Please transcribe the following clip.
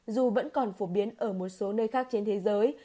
dù vẫn còn phổ biến ở một số nơi khác trên thế giới